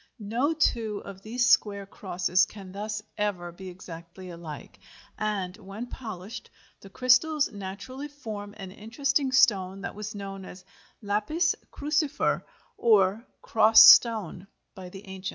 No two of these square crosses can thus ever be exactly alike, and, when polished, the crystals naturally form an interesting stone that was known as lapis crucifer, or cross stone by the ancients.